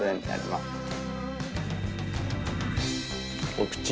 お口。